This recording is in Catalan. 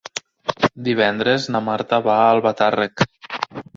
Divendres na Marta va a Albatàrrec.